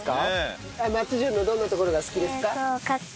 松潤のどんなところが好きですか？